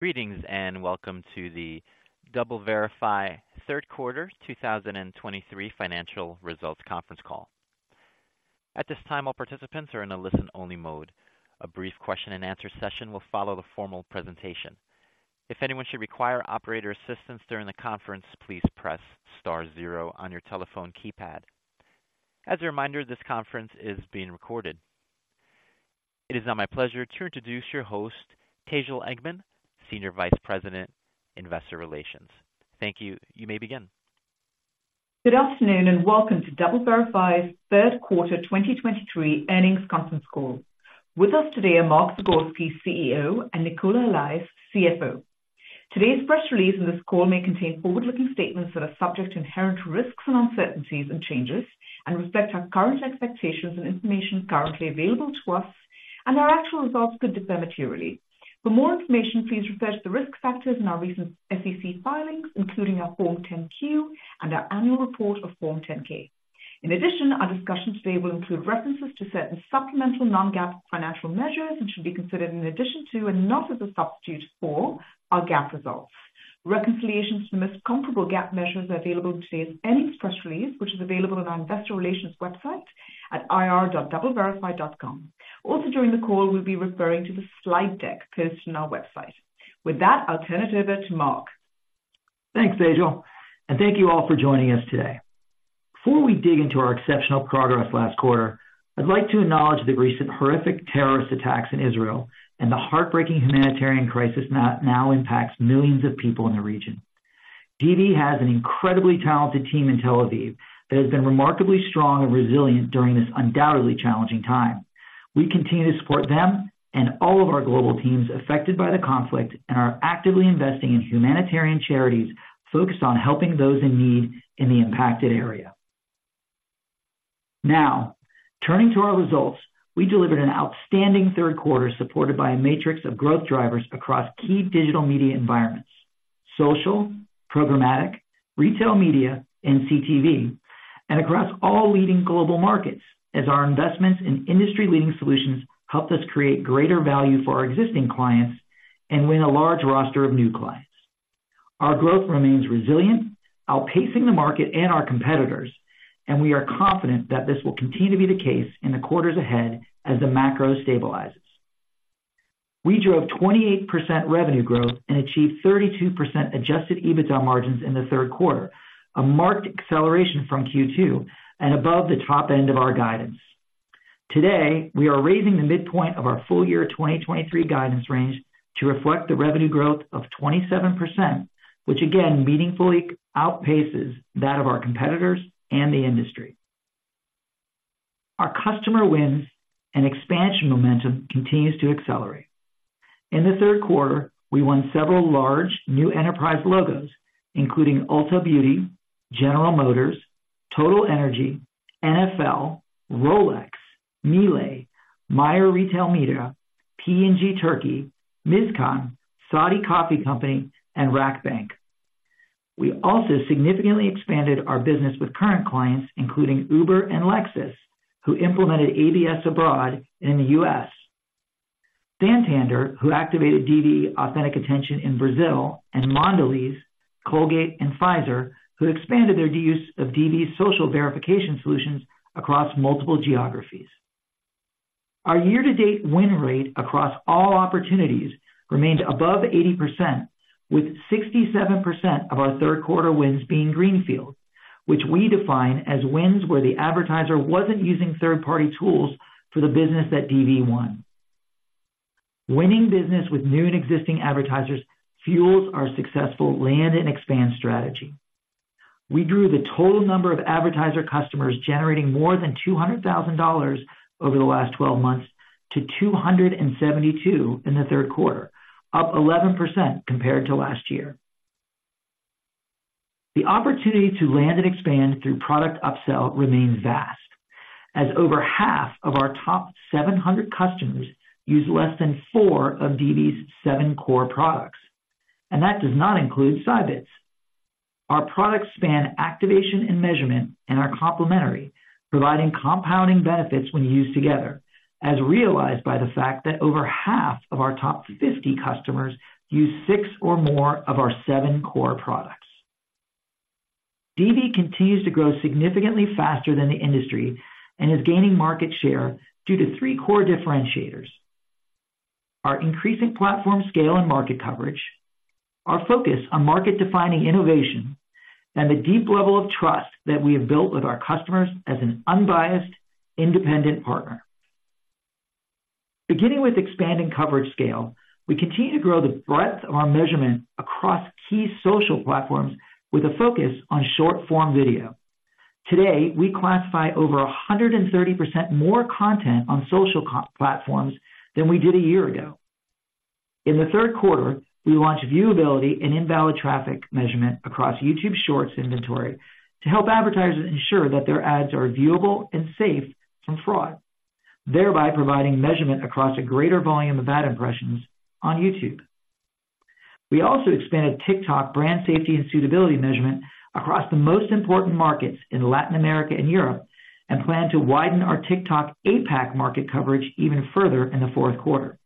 Greetings, and welcome to the DoubleVerify Third Quarter 2023 Financial Results Conference Call. At this time, all participants are in a listen-only mode. A brief question and answer session will follow the formal presentation. If anyone should require operator assistance during the conference, please press star zero on your telephone keypad. As a reminder, this conference is being recorded. It is now my pleasure to introduce your host, Tejal Engman, Senior Vice President, Investor Relations. Thank you. You may begin. Good afternoon, and welcome to DoubleVerify's Third Quarter 2023 Earnings Conference Call. With us today are Mark Zagorski, CEO, and Nicola Allais, CFO. Today's press release and this call may contain forward-looking statements that are subject to inherent risks and uncertainties and changes and reflect our current expectations and information currently available to us, and our actual results could differ materially. For more information, please refer to the risk factors in our recent SEC filings, including our Form 10-Q and our annual report of Form 10-K. In addition, our discussion today will include references to certain supplemental non-GAAP financial measures and should be considered in addition to, and not as a substitute for, our GAAP results. Reconciliations to the most comparable GAAP measures are available in today's earnings press release, which is available on our investor relations website at ir.doubleverify.com. Also, during the call, we'll be referring to the slide deck posted on our website. With that, I'll turn it over to Mark. Thanks, Tejal, and thank you all for joining us today. Before we dig into our exceptional progress last quarter, I'd like to acknowledge the recent horrific terrorist attacks in Israel and the heartbreaking humanitarian crisis that now impacts millions of people in the region. DV has an incredibly talented team in Tel Aviv that has been remarkably strong and resilient during this undoubtedly challenging time. We continue to support them and all of our global teams affected by the conflict and are actively investing in humanitarian charities focused on helping those in need in the impacted area. Now, turning to our results, we delivered an outstanding third quarter, supported by a matrix of growth drivers across key digital media environments: Social, Programmatic, Retail Media, and CTV, and across all leading global markets, as our investments in industry-leading solutions helped us create greater value for our existing clients and win a large roster of new clients. Our growth remains resilient, outpacing the market and our competitors, and we are confident that this will continue to be the case in the quarters ahead as the macro stabilizes. We drove 28% revenue growth and achieved 32% Adjusted EBITDA margins in the third quarter, a marked acceleration from Q2 and above the top end of our guidance. Today, we are raising the midpoint of our full-year 2023 guidance range to reflect the revenue growth of 27%, which again meaningfully outpaces that of our competitors and the industry. Our customer wins and expansion momentum continues to accelerate. In the third quarter, we won several large new enterprise logos, including Ulta Beauty, General Motors, TotalEnergies, NFL, Rolex, Miele, Meijer Retail Media, P&G Turkey, Mizkan, Saudi Coffee Company, and RAKBANK. We also significantly expanded our business with current clients, including Uber and Lexus, who implemented ABS abroad and in the U.S. Santander, who activated DV Authentic Attention in Brazil, and Mondelēz, Colgate, and Pfizer, who expanded their use of DV's social verification solutions across multiple geographies. Our year-to-date win rate across all opportunities remained above 80%, with 67% of our third quarter wins being greenfield, which we define as wins where the advertiser wasn't using third-party tools for the business that DV won. Winning business with new and existing advertisers fuels our successful land and expand strategy. We grew the total number of advertiser customers generating more than $200,000 over the last twelve months to 272 in the third quarter, up 11% compared to last year. The opportunity to land and expand through product upsell remains vast, as over half of our top 700 customers use less than four of DV's seven core products, and that does not include Scibids. Our products span activation and measurement and are complementary, providing compounding benefits when used together, as realized by the fact that over half of our top 50 customers use six or more of our seven core products. DV continues to grow significantly faster than the industry and is gaining market share due to three core differentiators: our increasing platform scale and market coverage, our focus on market-defining innovation, and the deep level of trust that we have built with our customers as an unbiased, independent partner. Beginning with expanding coverage scale, we continue to grow the breadth of our measurement across key social platforms with a focus on short-form video. Today, we classify over 130% more content on social platforms than we did a year ago. In the third quarter, we launched viewability and invalid traffic measurement across YouTube Shorts inventory to help advertisers ensure that their ads are viewable and safe from fraud, thereby providing measurement across a greater volume of ad impressions on YouTube. We also expanded TikTok brand safety and suitability measurement across the most important markets in Latin America and Europe, and plan to widen our TikTok APAC market coverage even further in the fourth quarter.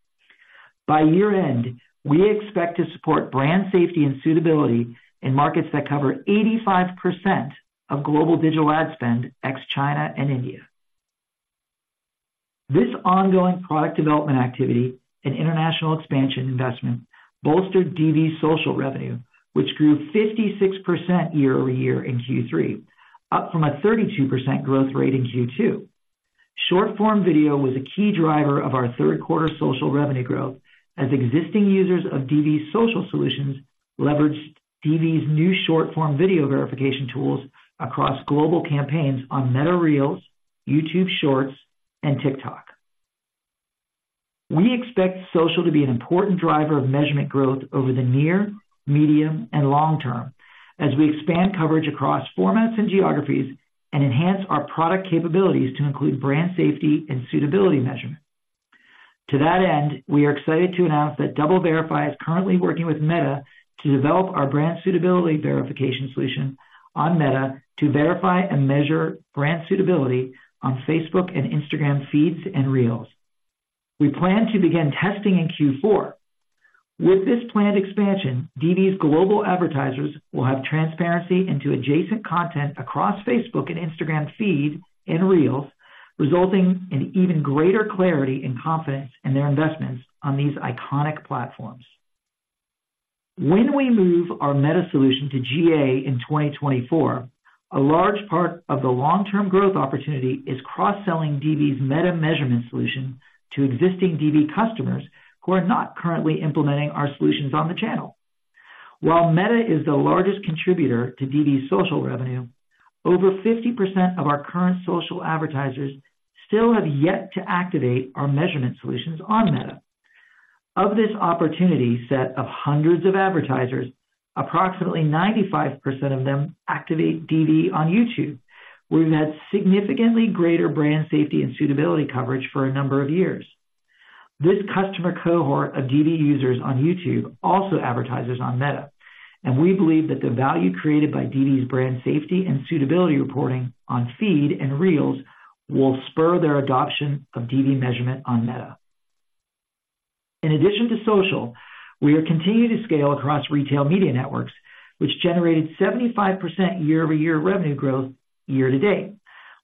By year-end, we expect to support brand safety and suitability in markets that cover 85% of global digital ad spend, ex China and India. This ongoing product development activity and international expansion investment bolstered DV's social revenue, which grew 56% year-over-year in Q3, up from a 32% growth rate in Q2. Short-form video was a key driver of our third quarter social revenue growth, as existing users of DV's social solutions leveraged DV's new short-form video verification tools across global campaigns on Meta Reels, YouTube Shorts, and TikTok. We expect social to be an important driver of measurement growth over the near, medium, and long term as we expand coverage across formats and geographies and enhance our product capabilities to include brand safety and suitability measurement. To that end, we are excited to announce that DoubleVerify is currently working with Meta to develop our brand suitability verification solution on Meta to verify and measure brand suitability on Facebook and Instagram feeds and Reels. We plan to begin testing in Q4. With this planned expansion, DV's global advertisers will have transparency into adjacent content across Facebook and Instagram feed and Reels, resulting in even greater clarity and confidence in their investments on these iconic platforms. When we move our Meta solution to GA in 2024, a large part of the long-term growth opportunity is cross-selling DV's Meta measurement solution to existing DV customers who are not currently implementing our solutions on the channel. While Meta is the largest contributor to DV's social revenue, over 50% of our current social advertisers still have yet to activate our measurement solutions on Meta. Of this opportunity set of hundreds of advertisers, approximately 95% of them activate DV on YouTube, where we've had significantly greater brand safety and suitability coverage for a number of years. This customer cohort of DV users on YouTube also advertises on Meta, and we believe that the value created by DV's brand safety and suitability reporting on Feed and Reels will spur their adoption of DV measurement on Meta. In addition to social, we are continuing to scale across retail media networks, which generated 75% year-over-year revenue growth year to date,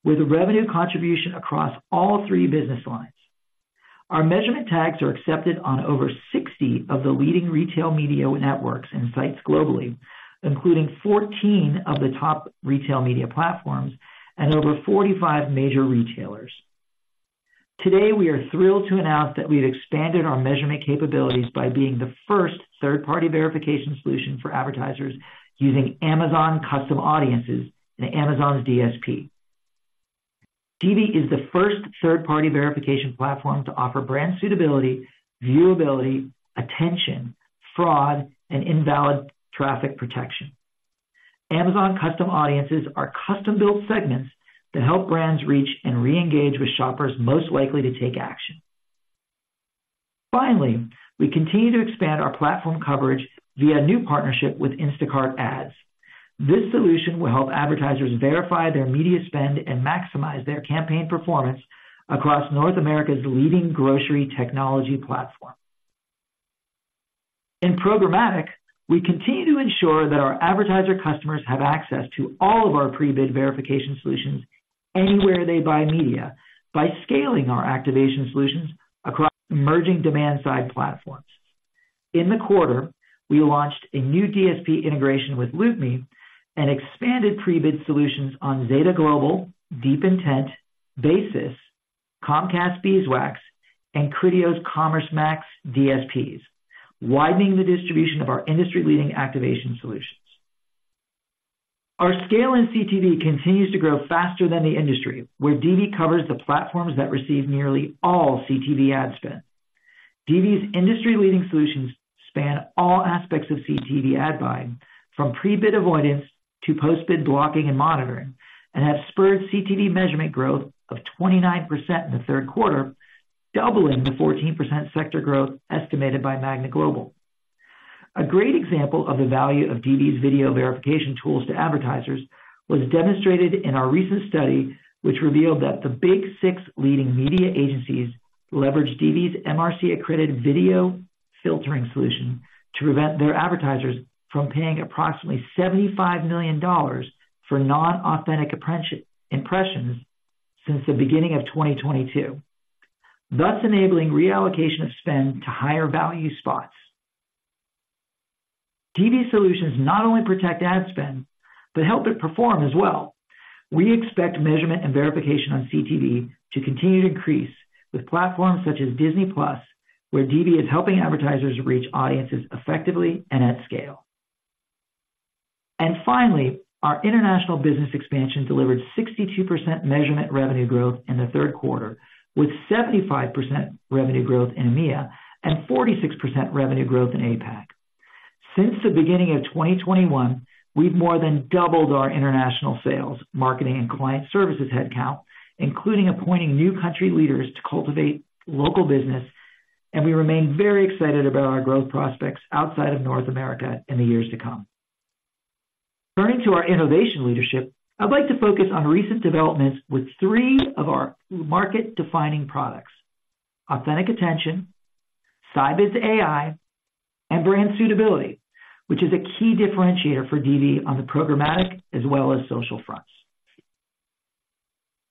with a revenue contribution across all three business lines. Our measurement tags are accepted on over 60 of the leading retail media networks and sites globally, including 14 of the top retail media platforms and over 45 major retailers. Today, we are thrilled to announce that we've expanded our measurement capabilities by being the first third-party verification solution for advertisers using Amazon Custom Audiences in Amazon's DSP. DV is the first third-party verification platform to offer brand suitability, viewability, attention, fraud, and invalid traffic protection. Amazon Custom Audiences are custom-built segments that help brands reach and reengage with shoppers most likely to take action. Finally, we continue to expand our platform coverage via a new partnership with Instacart Ads. This solution will help advertisers verify their media spend and maximize their campaign performance across North America's leading grocery technology platform. In Programmatic, we continue to ensure that our advertiser customers have access to all of our pre-bid verification solutions anywhere they buy media, by scaling our activation solutions across emerging demand-side platforms. In the quarter, we launched a new DSP integration with LoopMe and expanded pre-bid solutions on Zeta Global, DeepIntent, Basis, Comcast Beeswax, and Criteo's Commerce Max DSPs, widening the distribution of our industry-leading activation solutions. Our scale in CTV continues to grow faster than the industry, where DV covers the platforms that receive nearly all CTV ad spend. DV's industry-leading solutions span all aspects of CTV ad buying, from pre-bid avoidance to post-bid blocking and monitoring, and have spurred CTV measurement growth of 29% in the third quarter, doubling the 14% sector growth estimated by Magna Global. A great example of the value of DV's video verification tools to advertisers was demonstrated in our recent study, which revealed that the Big Six leading media agencies leveraged DV's MRC-accredited video filtering solution to prevent their advertisers from paying approximately $75 million for non-authentic impressions since the beginning of 2022, thus enabling reallocation of spend to higher-value spots. DV solutions not only protect ad spend, but help it perform as well. We expect measurement and verification on CTV to continue to increase with platforms such as Disney+, where DV is helping advertisers reach audiences effectively and at scale. Finally, our international business expansion delivered 62% measurement revenue growth in the third quarter, with 75% revenue growth in EMEA and 46% revenue growth in APAC. Since the beginning of 2021, we've more than doubled our international sales, marketing, and client services headcount, including appointing new country leaders to cultivate local business, and we remain very excited about our growth prospects outside of North America in the years to come.... Turning to our innovation leadership, I'd like to focus on recent developments with three of our market-defining products: Authentic Attention, Scibids AI, and Brand Suitability, which is a key differentiator for DV on the programmatic as well as social fronts.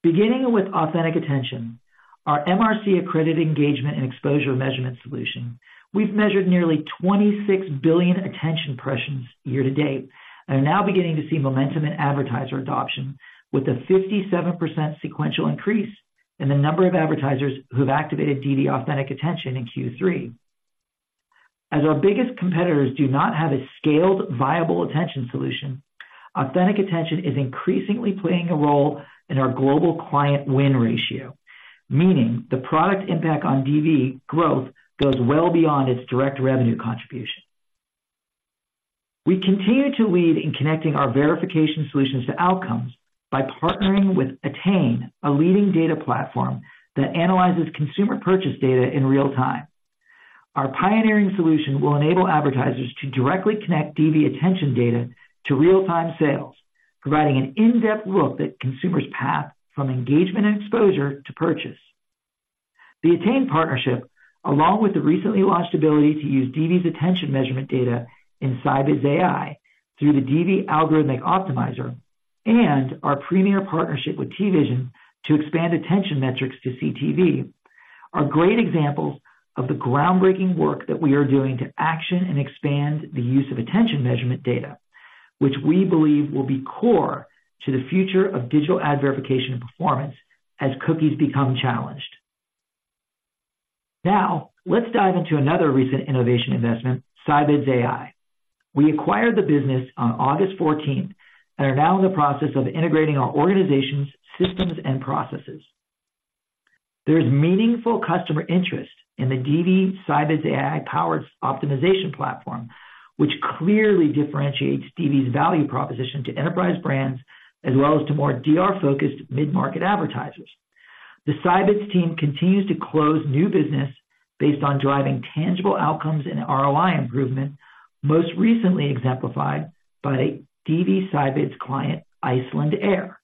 Beginning with Authentic Attention, our MRC-accredited engagement and exposure measurement solution, we've measured nearly 26 billion attention impressions year-to-date, and are now beginning to see momentum in advertiser adoption, with a 57% sequential increase in the number of advertisers who have activated DV Authentic Attention in Q3. As our biggest competitors do not have a scaled, viable attention solution, Authentic Attention is increasingly playing a role in our global client win ratio, meaning the product impact on DV growth goes well beyond its direct revenue contribution. We continue to lead in connecting our verification solutions to outcomes by partnering with Attain, a leading data platform that analyzes consumer purchase data in real time. Our pioneering solution will enable advertisers to directly connect DV attention data to real-time sales, providing an in-depth look at consumers' path from engagement and exposure to purchase. The Attain partnership, along with the recently launched ability to use DV's attention measurement data in Scibids AI through the DV Algorithmic Optimizer, and our premier partnership with TVision to expand attention metrics to CTV, are great examples of the groundbreaking work that we are doing to action and expand the use of attention measurement data, which we believe will be core to the future of digital ad verification and performance as cookies become challenged. Now, let's dive into another recent innovation investment, Scibids AI. We acquired the business on August 14, and are now in the process of integrating our organizations, systems, and processes. There is meaningful customer interest in the DV Scibids AI-powered optimization platform, which clearly differentiates DV's value proposition to enterprise brands, as well as to more DR-focused mid-market advertisers. The Scibids team continues to close new business based on driving tangible outcomes and ROI improvement, most recently exemplified by DV Scibids client, Icelandair,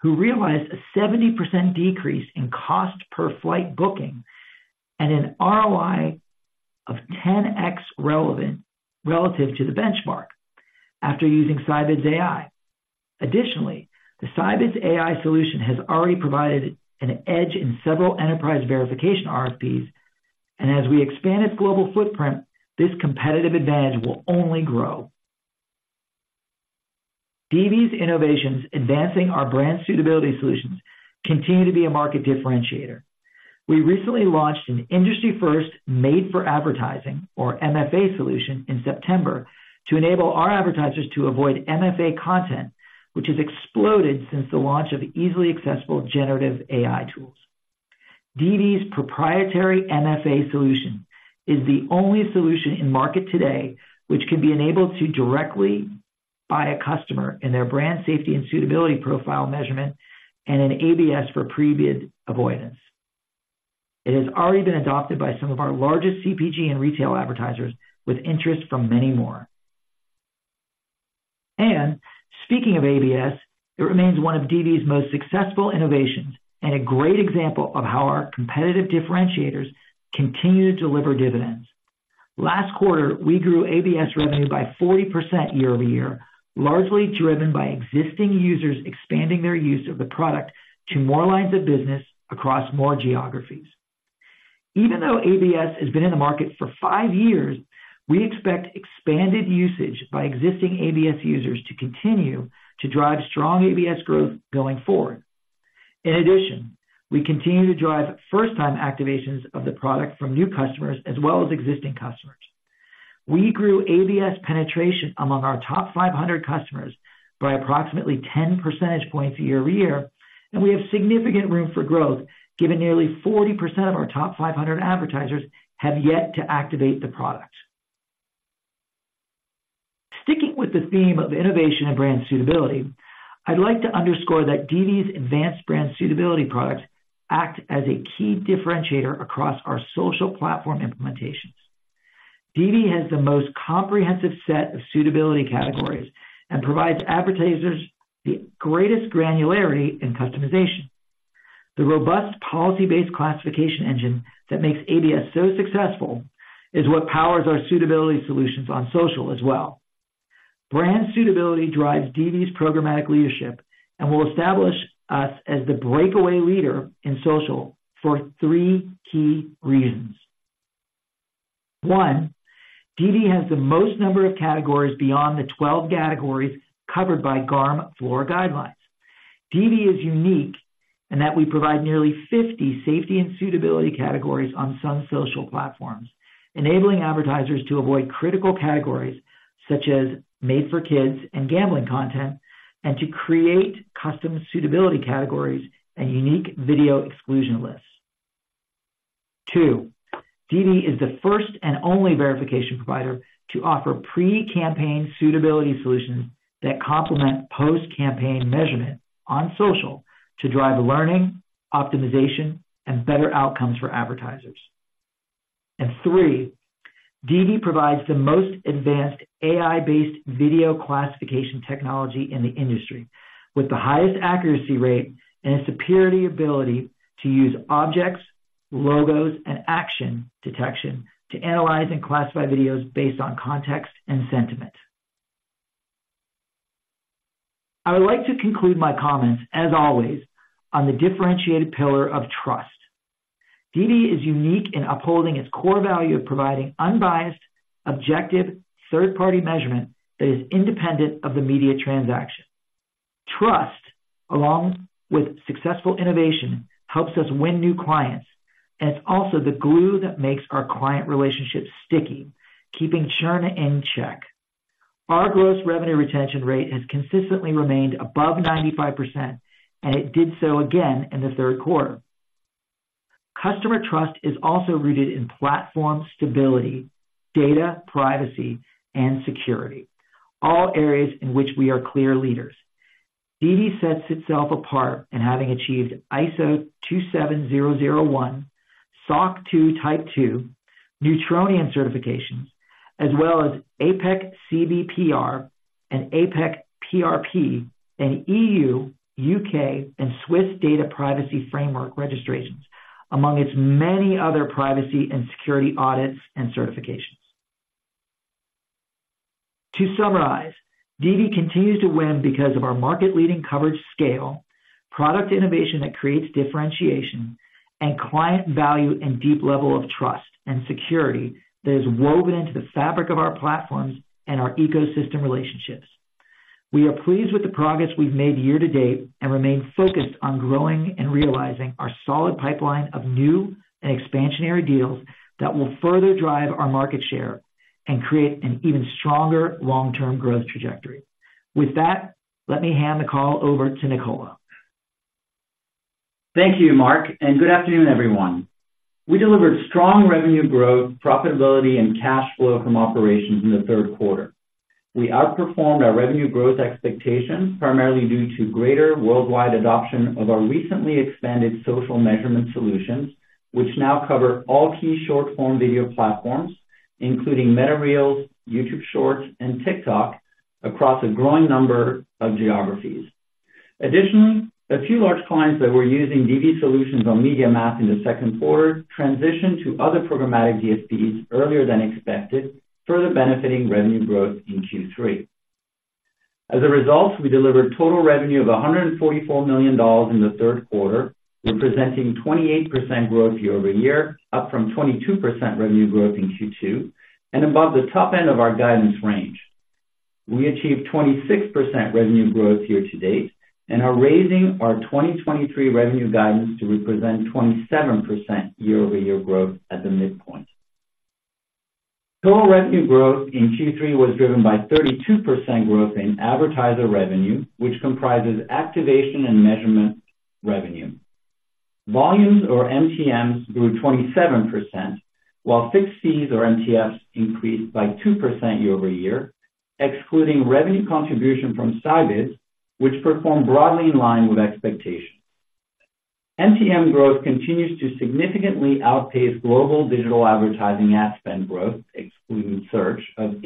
who realized a 70% decrease in cost per flight booking and an ROI of 10x relative to the benchmark after using Scibids AI. Additionally, the Scibids AI solution has already provided an edge in several enterprise verification RFPs, and as we expand its global footprint, this competitive advantage will only grow. DV's innovations advancing our brand suitability solutions continue to be a market differentiator. We recently launched an industry-first Made for Advertising, or MFA solution, in September, to enable our advertisers to avoid MFA content, which has exploded since the launch of easily accessible generative AI tools. DV's proprietary MFA solution is the only solution in market today which can be enabled to directly by a customer in their brand safety and suitability profile measurement and an ABS for pre-bid avoidance. It has already been adopted by some of our largest CPG and retail advertisers, with interest from many more. And speaking of ABS, it remains one of DV's most successful innovations and a great example of how our competitive differentiators continue to deliver dividends. Last quarter, we grew ABS revenue by 40% year-over-year, largely driven by existing users expanding their use of the product to more lines of business across more geographies. Even though ABS has been in the market for five years, we expect expanded usage by existing ABS users to continue to drive strong ABS growth going forward. In addition, we continue to drive first-time activations of the product from new customers as well as existing customers. We grew ABS penetration among our top 500 customers by approximately 10 percentage points year-over-year, and we have significant room for growth, given nearly 40% of our top 500 advertisers have yet to activate the product. Sticking with the theme of innovation and brand suitability, I'd like to underscore that DV's advanced brand suitability products act as a key differentiator across our social platform implementations. DV has the most comprehensive set of suitability categories and provides advertisers the greatest granularity and customization. The robust policy-based classification engine that makes ABS so successful is what powers our suitability solutions on social as well. Brand suitability drives DV's programmatic leadership and will establish us as the breakaway leader in social for three key reasons. 1, DV has the most number of categories beyond the 12 categories covered by GARM floor guidelines. DV is unique in that we provide nearly 50 safety and suitability categories on some social platforms, enabling advertisers to avoid critical categories such as Made for Kids and gambling content, and to create custom suitability categories and unique video exclusion lists. 2, DV is the first and only verification provider to offer pre-campaign suitability solutions that complement post-campaign measurement on social to drive learning, optimization, and better outcomes for advertisers. 3, DV provides the most advanced AI-based video classification technology in the industry, with the highest accuracy rate and a superiority ability to use objects, logos, and action detection to analyze and classify videos based on context and sentiment. I would like to conclude my comments, as always, on the differentiated pillar of trust. DV is unique in upholding its core value of providing unbiased, objective, third-party measurement that is independent of the media transaction. Trust, along with successful innovation, helps us win new clients, and it's also the glue that makes our client relationships sticky, keeping churn in check. Our gross revenue retention rate has consistently remained above 95%, and it did so again in the third quarter. Customer trust is also rooted in platform stability, data privacy, and security, all areas in which we are clear leaders. DV sets itself apart in having achieved ISO 27001, SOC 2 Type 2, Neutronian certifications, as well as APEC CBPR and APEC PRP, and E.U., U.K., and Swiss Data Privacy Framework registrations, among its many other privacy and security audits and certifications. To summarize, DV continues to win because of our market-leading coverage scale, product innovation that creates differentiation, and client value and deep level of trust and security that is woven into the fabric of our platforms and our ecosystem relationships. We are pleased with the progress we've made year-to-date, and remain focused on growing and realizing our solid pipeline of new and expansionary deals that will further drive our market share and create an even stronger long-term growth trajectory. With that, let me hand the call over to Nicola. Thank you, Mark, and good afternoon, everyone. We delivered strong revenue growth, profitability, and cash flow from operations in the third quarter. We outperformed our revenue growth expectations, primarily due to greater worldwide adoption of our recently expanded social measurement solutions, which now cover all key short-form video platforms, including Meta Reels, YouTube Shorts, and TikTok, across a growing number of geographies. Additionally, a few large clients that were using DV solutions on MediaMath in the second quarter transitioned to other programmatic DSPs earlier than expected, further benefiting revenue growth in Q3. As a result, we delivered total revenue of $144 million in the third quarter, representing 28% growth year-over-year, up from 22% revenue growth in Q2, and above the top end of our guidance range. We achieved 26% revenue growth year-to-date, and are raising our 2023 revenue guidance to represent 27% year-over-year growth at the midpoint. Total revenue growth in Q3 was driven by 32% growth in advertiser revenue, which comprises activation and measurement revenue. Volumes or MTMs grew 27%, while fixed fees or MTFs increased by 2% year-over-year, excluding revenue contribution from Scibids, which performed broadly in line with expectations. MTM growth continues to significantly outpace global digital advertising ad spend growth, excluding search, of 8%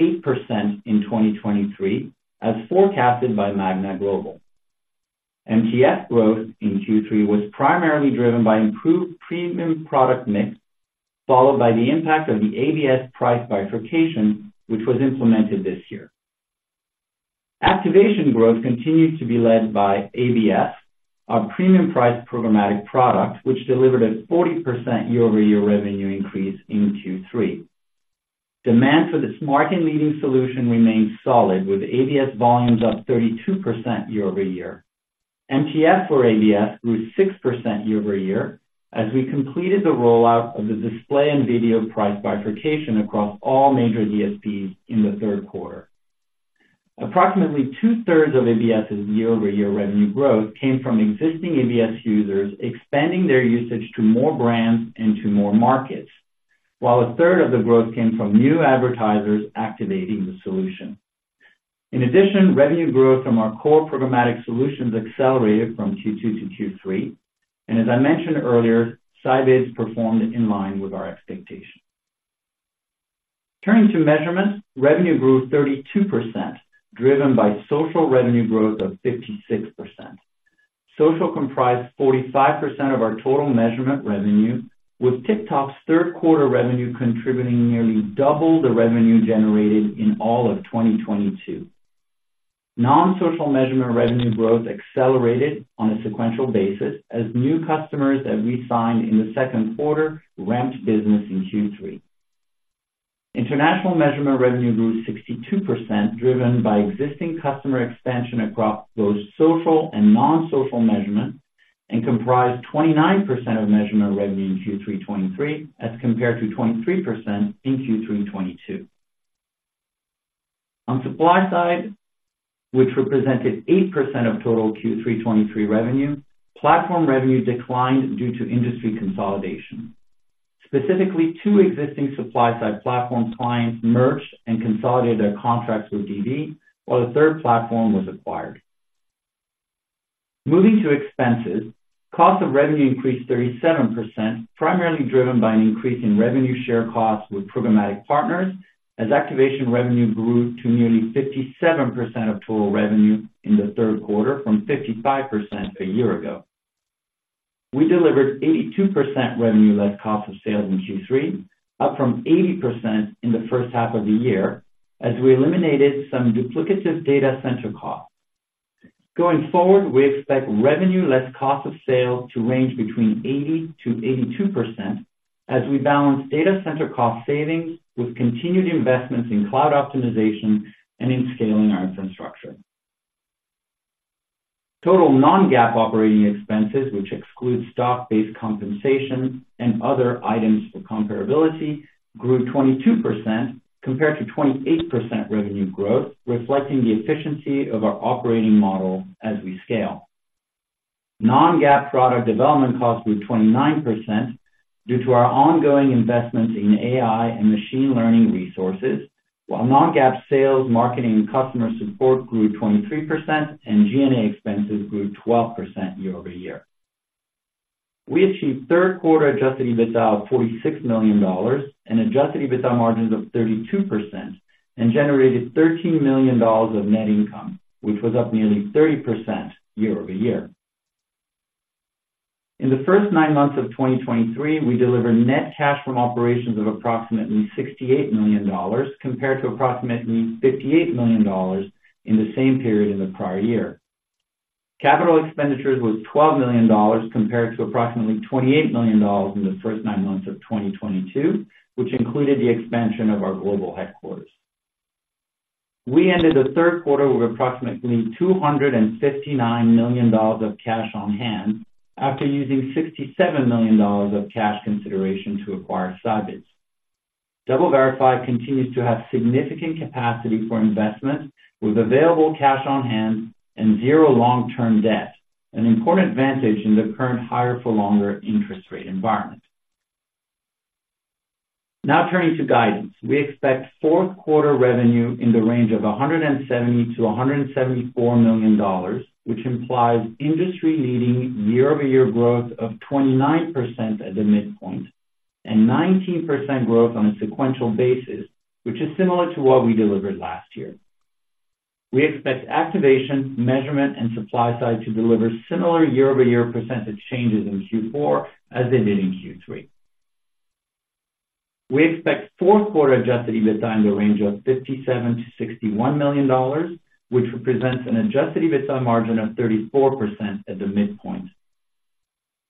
in 2023, as forecasted by Magna Global. MTF growth in Q3 was primarily driven by improved premium product mix, followed by the impact of the ABS price bifurcation, which was implemented this year. Activation growth continued to be led by ABS, our premium priced programmatic product, which delivered a 40% year-over-year revenue increase in Q3. Demand for this market-leading solution remains solid, with ABS volumes up 32% year-over-year. MTF for ABS grew 6% year-over-year, as we completed the rollout of the display and video price bifurcation across all major DSPs in the third quarter. Approximately two-thirds of ABS's year-over-year revenue growth came from existing ABS users expanding their usage to more brands and to more markets, while a third of the growth came from new advertisers activating the solution. In addition, revenue growth from our core programmatic solutions accelerated from Q2 to Q3, and as I mentioned earlier, Scibids performed in line with our expectations. Turning to measurement, revenue grew 32%, driven by social revenue growth of 56%. Social comprised 45% of our total measurement revenue, with TikTok's third quarter revenue contributing nearly double the revenue generated in all of 2022. Non-social measurement revenue growth accelerated on a sequential basis as new customers that we signed in the second quarter ramped business in Q3. International measurement revenue grew 62%, driven by existing customer expansion across both social and non-social measurement, and comprised 29% of measurement revenue in Q3 2023, as compared to 23% in Q3 2022. On supply side, which represented 8% of total Q3 2023 revenue, platform revenue declined due to industry consolidation. Specifically, two existing supply-side platform clients merged and consolidated their contracts with DV, while a third platform was acquired. Moving to expenses, cost of revenue increased 37%, primarily driven by an increase in revenue share costs with programmatic partners, as activation revenue grew to nearly 57% of total revenue in the third quarter from 55% a year ago. We delivered 82% revenue less cost of sales in Q3, up from 80% in the first half of the year, as we eliminated some duplicative data center costs. Going forward, we expect revenue less cost of sale to range between 80%-82%, as we balance data center cost savings with continued investments in cloud optimization and in scaling our infrastructure. Total non-GAAP operating expenses, which excludes stock-based compensation and other items for comparability, grew 22% compared to 28% revenue growth, reflecting the efficiency of our operating model as we scale. Non-GAAP product development costs grew 29% due to our ongoing investments in AI and machine learning resources, while non-GAAP sales, marketing, and customer support grew 23% and G&A expenses grew 12% year-over-year. We achieved third quarter Adjusted EBITDA of $46 million and Adjusted EBITDA margins of 32% and generated $13 million of net income, which was up nearly 30% year-over-year. In the first nine months of 2023, we delivered net cash from operations of approximately $68 million compared to approximately $58 million in the same period in the prior year. Capital expenditures was $12 million compared to approximately $28 million in the first nine months of 2022, which included the expansion of our global headquarters. We ended the third quarter with approximately $259 million of cash on hand, after using $67 million of cash consideration to acquire Scibids. DoubleVerify continues to have significant capacity for investment, with available cash on hand and zero long-term debt, an important advantage in the current higher-for-longer interest rate environment. Now turning to guidance. We expect fourth quarter revenue in the range of $170 million-$174 million, which implies industry-leading year-over-year growth of 29% at the midpoint and 19% growth on a sequential basis, which is similar to what we delivered last year. We expect activation, measurement, and supply side to deliver similar year-over-year percentage changes in Q4 as they did in Q3. We expect fourth quarter adjusted EBITDA in the range of $57 million-$61 million, which represents an adjusted EBITDA margin of 34% at the midpoint.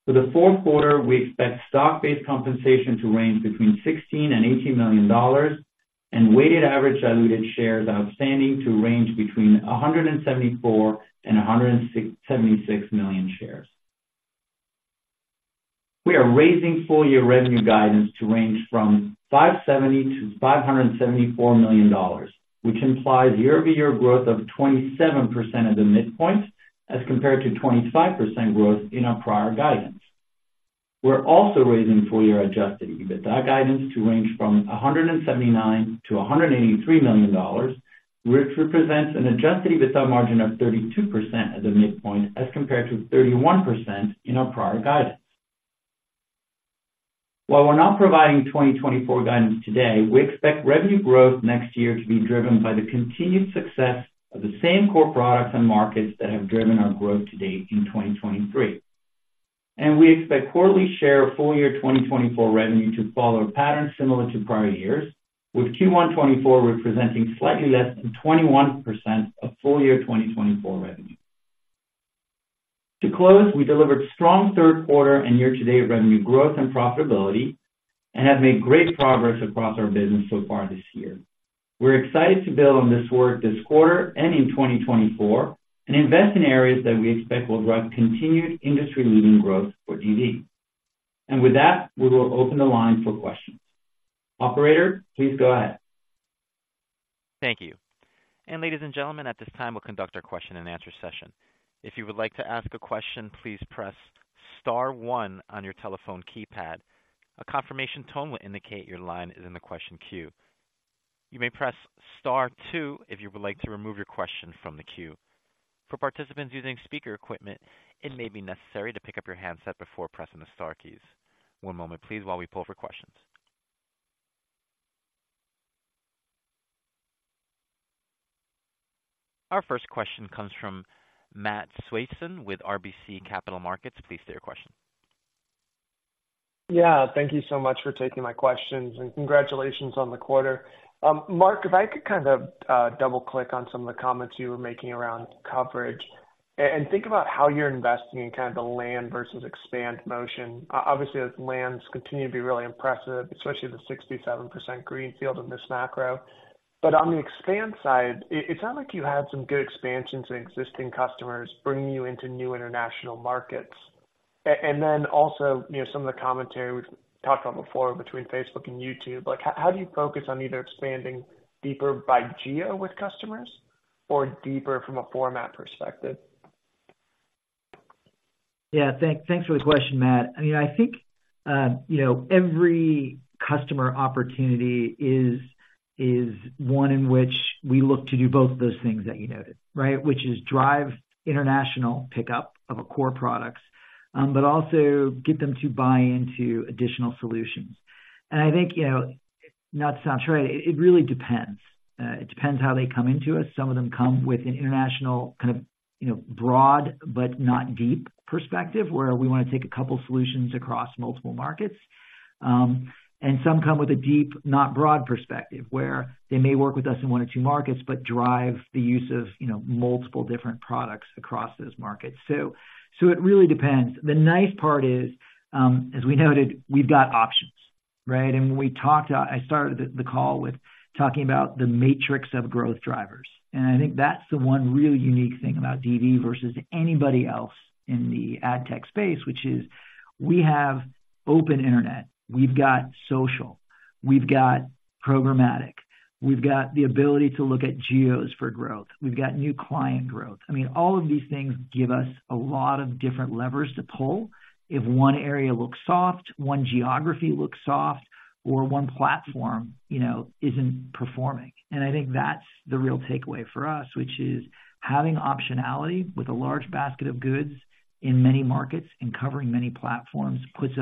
For the fourth quarter, we expect stock-based compensation to range between $16 million and $18 million, and weighted average diluted shares outstanding to range between 174 and 176 million shares. We are raising full-year revenue guidance to range from $570-$574 million, which implies year-over-year growth of 27% at the midpoint, as compared to 25% growth in our prior guidance. We're also raising full year adjusted EBITDA guidance to range from $179-$183 million, which represents an adjusted EBITDA margin of 32% at the midpoint, as compared to 31% in our prior guidance. While we're not providing 2024 guidance today, we expect revenue growth next year to be driven by the continued success of the same core products and markets that have driven our growth to date in 2023. We expect quarterly share full year 2024 revenue to follow a pattern similar to prior years, with Q1 2024 representing slightly less than 21% of full year 2024 revenue. To close, we delivered strong third quarter and year-to-date revenue growth and profitability and have made great progress across our business so far this year. We're excited to build on this work this quarter and in 2024 and invest in areas that we expect will drive continued industry-leading growth for DV. With that, we will open the line for questions. Operator, please go ahead. Thank you. Ladies and gentlemen, at this time, we'll conduct our question and answer session. If you would like to ask a question, please press star one on your telephone keypad. A confirmation tone will indicate your line is in the question queue. You may press star two if you would like to remove your question from the queue. For participants using speaker equipment, it may be necessary to pick up your handset before pressing the star keys. One moment, please, while we pull for questions. Our first question comes from Matt Swanson with RBC Capital Markets. Please state your question. Yeah, thank you so much for taking my questions, and congratulations on the quarter. Mark, if I could kind of double-click on some of the comments you were making around coverage and think about how you're investing in kind of the land versus expand motion. Obviously, as lands continue to be really impressive, especially the 67% greenfield in this macro. But on the expand side, it sounds like you had some good expansions in existing customers bringing you into new international markets. And then also, you know, some of the commentary we've talked about before between Facebook and YouTube, like, how, how do you focus on either expanding deeper by geo with customers or deeper from a format perspective? Yeah, thanks for the question, Matt. I mean, I think, you know, every customer opportunity is one in which we look to do both of those things that you noted, right? Which is drive international pickup of our core products, but also get them to buy into additional solutions. And I think, you know, not to sound trite, it really depends. It depends how they come into us. Some of them come with an international kind of, you know, broad but not deep perspective, where we want to take a couple solutions across multiple markets. And some come with a deep, not broad perspective, where they may work with us in one or two markets, but drive the use of, you know, multiple different products across those markets. So it really depends. The nice part is, as we noted, we've got options, right? And when we talked, I started the call with talking about the matrix of growth drivers, and I think that's the one really unique thing about DV versus anybody else in the ad tech space, which is we have open internet, we've got social, we've got programmatic, we've got the ability to look at geos for growth, we've got new client growth. I mean, all of these things give us a lot of different levers to pull if one area looks soft, one geography looks soft, or one platform, you know, isn't performing. And I think that's the real takeaway for us, which is having optionality with a large basket of goods in many markets and covering many platforms, puts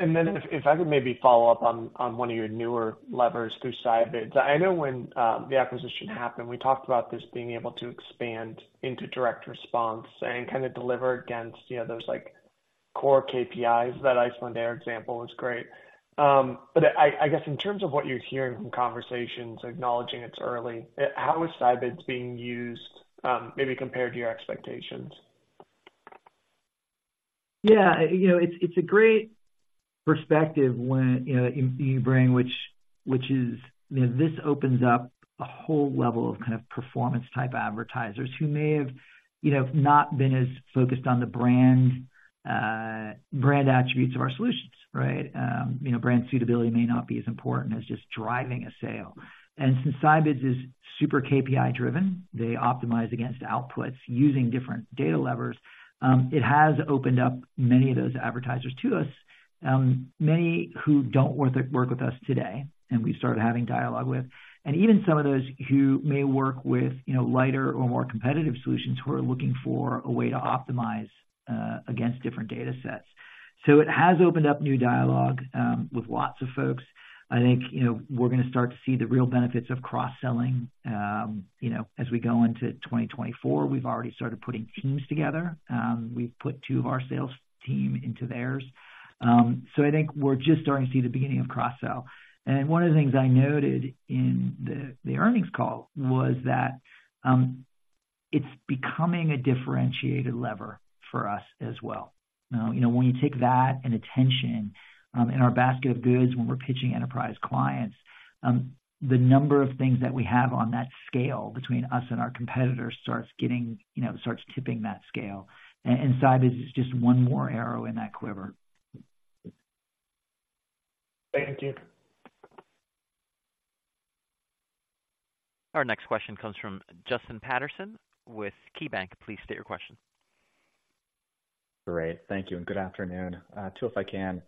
us in a really unique position. And then if I could maybe follow up on one of your newer levers through Scibids. I know when the acquisition happened, we talked about this being able to expand into direct response and kind of deliver against, you know, those, like, core KPIs. That Icelandair example was great. But I guess in terms of what you're hearing from conversations, acknowledging it's early, how is Scibids being used, maybe compared to your expectations? Yeah, you know, it's a great perspective when, you know, you bring, which is... You know, this opens up a whole level of kind of performance type advertisers who may have, you know, not been as focused on the brand attributes of our solutions, right? You know, brand suitability may not be as important as just driving a sale. And since Scibids is super KPI driven, they optimize against outputs using different data levers, it has opened up many of those advertisers to us, many who don't work with us today, and we've started having dialogue with. And even some of those who may work with, you know, lighter or more competitive solutions, who are looking for a way to optimize against different data sets. So it has opened up new dialogue with lots of folks. I think, you know, we're going to start to see the real benefits of cross-selling, you know, as we go into 2024. We've already started putting teams together. We've put two of our sales team into theirs. So I think we're just starting to see the beginning of cross-sell. One of the things I noted in the earnings call was that, it's becoming a differentiated lever for us as well. You know, when you take that and attention, in our basket of goods, when we're pitching enterprise clients, the number of things that we have on that scale between us and our competitors starts getting, you know, starts tipping that scale, and Scibids is just one more arrow in that quiver. Thank you. Our next question comes from Justin Patterson with KeyBanc. Please state your question. Great. Thank you, and good afternoon. Two, if I can.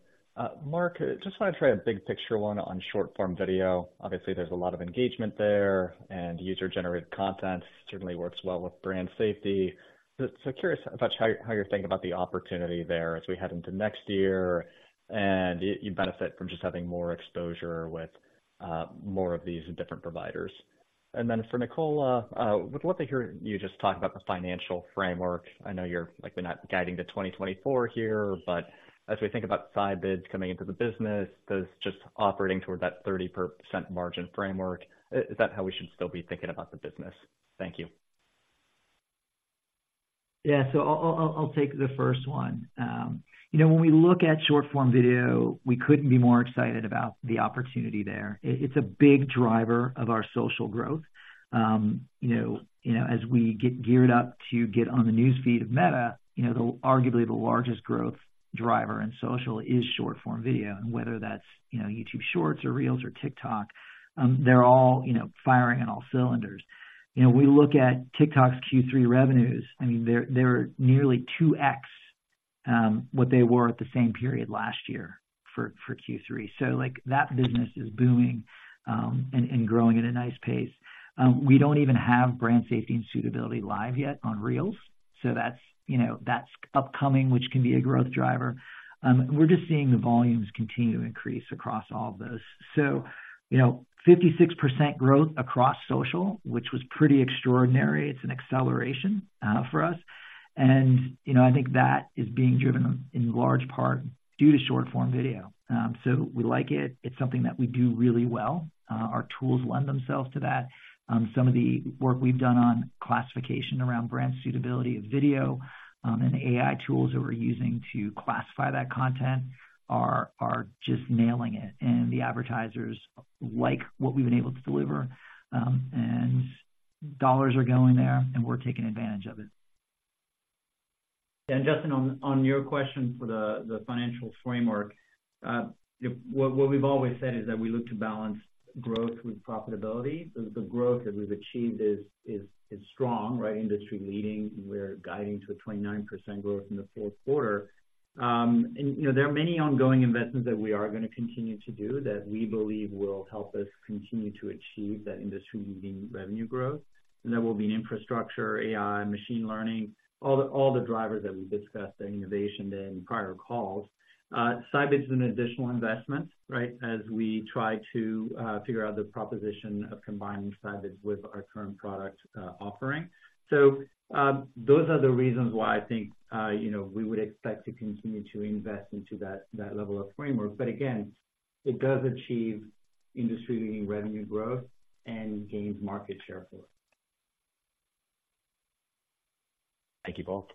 Mark, just want to try a big picture one on short-form video. Obviously, there's a lot of engagement there, and user-generated content certainly works well with brand safety. So curious about how you're, how you're thinking about the opportunity there as we head into next year, and you benefit from just having more exposure with more of these different providers. And then for Nicola, with what I hear you just talk about the financial framework, I know you're, like, we're not guiding to 2024 here, but as we think about Scibids coming into the business, those just operating toward that 30% margin framework, is that how we should still be thinking about the business? Thank you. Yeah. So I'll take the first one. You know, when we look at short-form video, we couldn't be more excited about the opportunity there. It, it's a big driver of our social growth. You know, you know, as we get geared up to get on the news feed of Meta, you know, the arguably the largest growth driver in social is short-form video. And whether that's, you know, YouTube Shorts or Reels or TikTok, they're all, you know, firing on all cylinders. You know, we look at TikTok's Q3 revenues, I mean, they're nearly 2x what they were at the same period last year for Q3. So, like, that business is booming, and growing at a nice pace. We don't even have brand safety and suitability live yet on Reels, so that's, you know, that's upcoming, which can be a growth driver. We're just seeing the volumes continue to increase across all of those. So, you know, 56% growth across social, which was pretty extraordinary. It's an acceleration, for us. And, you know, I think that is being driven in large part due to short-form video. So we like it. It's something that we do really well. Our tools lend themselves to that. Some of the work we've done on classification around brand suitability of video, and the AI tools that we're using to classify that content are, are just nailing it, and the advertisers like what we've been able to deliver. And dollars are going there, and we're taking advantage of it. And Justin, on your question for the financial framework, what we've always said is that we look to balance growth with profitability. The growth that we've achieved is strong, right? Industry-leading, we're guiding to 29% growth in the fourth quarter. And, you know, there are many ongoing investments that we are gonna continue to do, that we believe will help us continue to achieve that industry-leading revenue growth. And there will be infrastructure, AI, and machine learning, all the drivers that we've discussed, and innovation in prior calls. Scibids is an additional investment, right? As we try to figure out the proposition of combining Scibids with our current product offering. So, those are the reasons why I think, you know, we would expect to continue to invest into that, that level of framework. But again, it does achieve industry-leading revenue growth and gains market share for us. Thank you, both.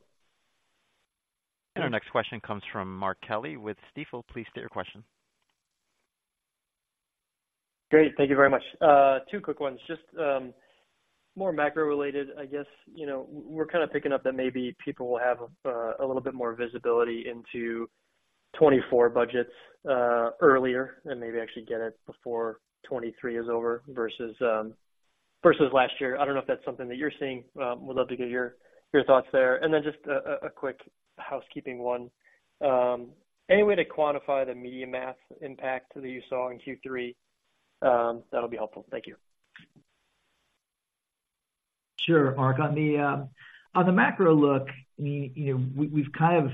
Our next question comes from Mark Kelley with Stifel. Please state your question. Great. Thank you very much. Two quick ones. Just more macro-related, I guess. You know, we're kind of picking up that maybe people will have a little bit more visibility into 2024 budgets earlier, and maybe actually get it before 2023 is over, versus versus last year. I don't know if that's something that you're seeing. Would love to get your your thoughts there. And then just a quick housekeeping one. Any way to quantify the MediaMath impact that you saw in Q3, that'll be helpful. Thank you. Sure, Mark. On the macro look, you know, we've kind of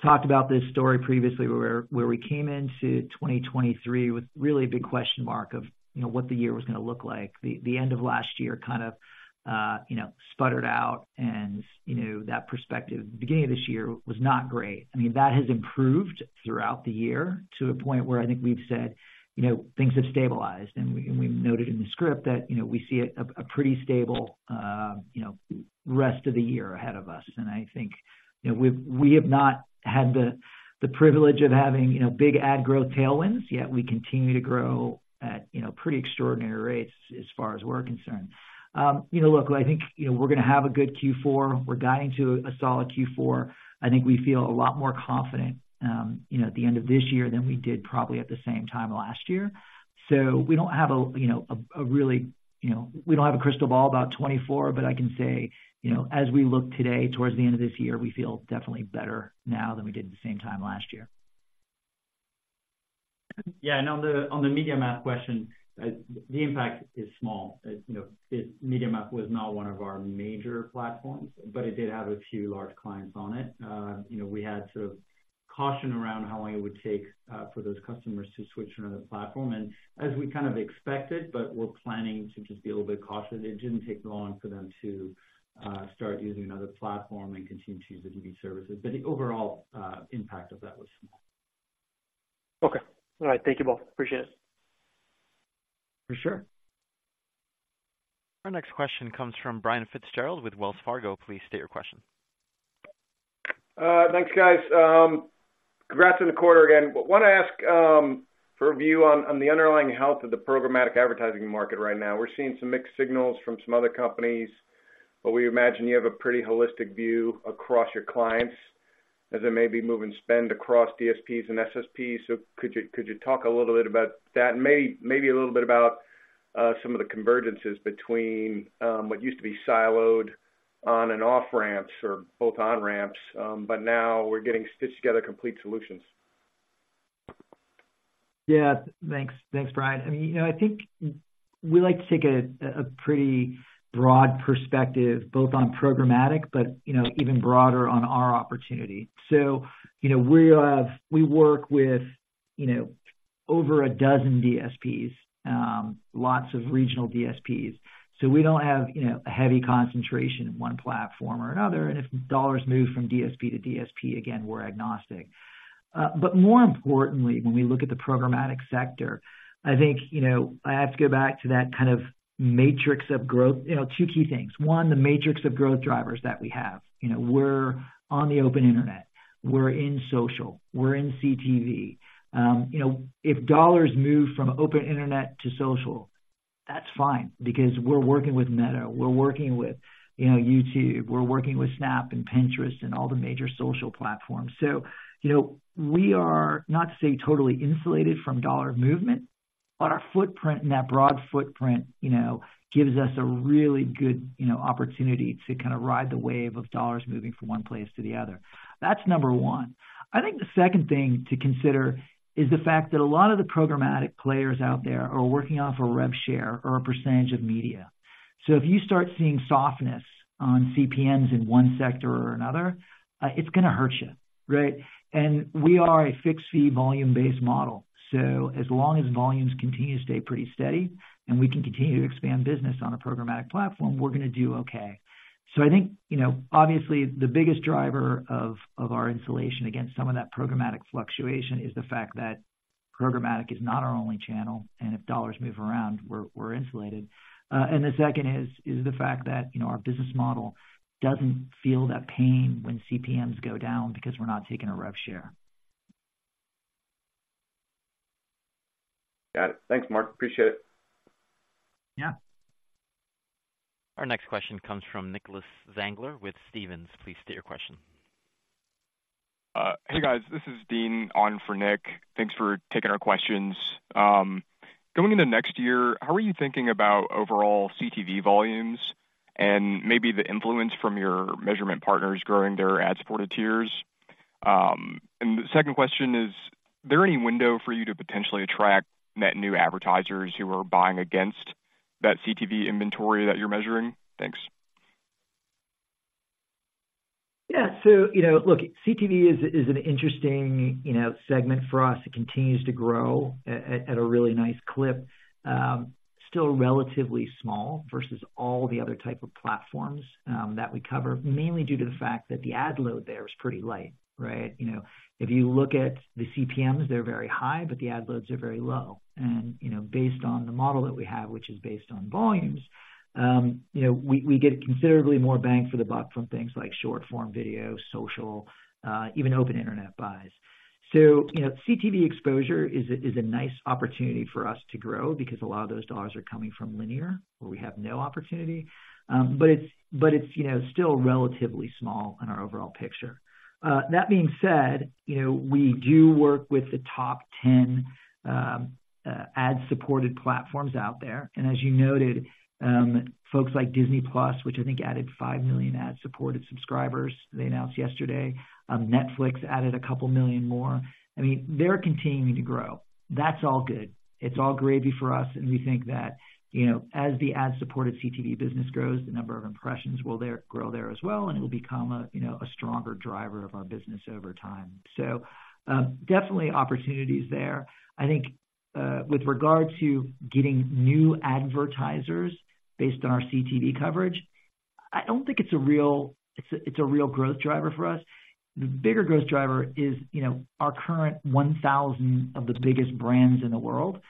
talked about this story previously, where we came into 2023 with really a big question mark of, you know, what the year was gonna look like. The end of last year kind of, you know, sputtered out and, you know, that perspective, the beginning of this year was not great. I mean, that has improved throughout the year to a point where I think we've said, you know, things have stabilized. And we noted in the script that, you know, we see a pretty stable, you know, rest of the year ahead of us. I think, you know, we have not had the privilege of having, you know, big ad growth tailwinds, yet we continue to grow at, you know, pretty extraordinary rates as far as we're concerned. You know, look, I think, you know, we're gonna have a good Q4. We're guiding to a solid Q4. I think we feel a lot more confident, you know, at the end of this year than we did probably at the same time last year. So we don't have a, you know, really, you know, we don't have a crystal ball about 2024, but I can say, you know, as we look today, towards the end of this year, we feel definitely better now than we did at the same time last year. Yeah, and on the MediaMath question, the impact is small. It's, you know, MediaMath was not one of our major platforms, but it did have a few large clients on it. You know, we had to caution around how long it would take for those customers to switch to another platform. And as we kind of expected, but we're planning to just be a little bit cautious, it didn't take long for them to start using another platform and continue to use the TV services. But the overall impact of that was small. Okay. All right. Thank you both. Appreciate it. For sure. Our next question comes from Brian Fitzgerald with Wells Fargo. Please state your question. Thanks, guys. Congrats on the quarter again. Wanna ask for a view on the underlying health of the programmatic advertising market right now. We're seeing some mixed signals from some other companies, but we imagine you have a pretty holistic view across your clients as they may be moving spend across DSPs and SSPs. So could you talk a little bit about that? And maybe a little bit about some of the convergences between what used to be siloed on and off-ramps, or both on-ramps, but now we're getting stitched together complete solutions. Yeah. Thanks. Thanks, Brian. I mean, you know, I think we like to take a pretty broad perspective, both on programmatic, but, you know, even broader on our opportunity. So, you know, we have, we work with, you know, over a dozen DSPs, lots of regional DSPs, so we don't have, you know, a heavy concentration in one platform or another, and if dollars move from DSP to DSP, again, we're agnostic. But more importantly, when we look at the Programmatic sector, I think, you know, I have to go back to that kind of matrix of growth. You know, two key things: One, the matrix of growth drivers that we have. You know, we're on the open internet, we're in social, we're in CTV. You know, if dollars move from open internet to social, that's fine, because we're working with Meta, we're working with, you know, YouTube, we're working with Snap and Pinterest and all the major social platforms. So, you know, we are not to say totally insulated from dollar movement, but our footprint, and that broad footprint, you know, gives us a really good, you know, opportunity to kind of ride the wave of dollars moving from one place to the other. That's number one. I think the second thing to consider is the fact that a lot of the programmatic players out there are working off a rev share or a percentage of media. So if you start seeing softness on CPMs in one sector or another, it's gonna hurt you, right? We are a fixed-fee, volume-based model, so as long as volumes continue to stay pretty steady and we can continue to expand business on a programmatic platform, we're gonna do okay. So I think, you know, obviously, the biggest driver of our insulation against some of that programmatic fluctuation is the fact that programmatic is not our only channel, and if dollars move around, we're insulated. The second is the fact that, you know, our business model doesn't feel that pain when CPMs go down because we're not taking a rev share. Got it. Thanks, Mark. Appreciate it. Yeah. Our next question comes from Nicholas Zangler with Stephens. Please state your question. Hey, guys, this is Dean on for Nick. Thanks for taking our questions. Going into next year, how are you thinking about overall CTV volumes and maybe the influence from your measurement partners growing their ad-supported tiers? And the second question, is there any window for you to potentially attract net new advertisers who are buying against that CTV inventory that you're measuring? Thanks. Yeah. So, you know, look, CTV is an interesting, you know, segment for us. It continues to grow at a really nice clip. Still relatively small versus all the other type of platforms that we cover, mainly due to the fact that the ad load there is pretty light, right? You know, if you look at the CPMs, they're very high, but the ad loads are very low. And, you know, based on the model that we have, which is based on volumes, you know, we get considerably more bang for the buck from things like short-form video, social, even open internet buys. So, you know, CTV exposure is a nice opportunity for us to grow because a lot of those dollars are coming from linear, where we have no opportunity. But it's, you know, still relatively small in our overall picture. That being said, you know, we do work with the top 10 ad-supported platforms out there. And as you noted, folks like Disney Plus, which I think added 5 million ad-supported subscribers, they announced yesterday. Netflix added a couple million more. I mean, they're continuing to grow. That's all good. It's all gravy for us, and we think that, you know, as the ad-supported CTV business grows, the number of impressions will grow there as well, and it'll become a, you know, a stronger driver of our business over time. So, definitely opportunities there. I think, with regard to getting new advertisers based on our CTV coverage, I don't think it's a real growth driver for us. The bigger growth driver is, you know, our current 1,000 of the biggest brands in the world